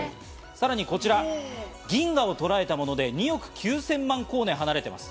さらにこちら、銀河をとらえたもので２億９０００万光年離れています。